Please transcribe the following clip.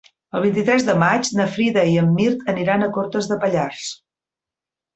El vint-i-tres de maig na Frida i en Mirt aniran a Cortes de Pallars.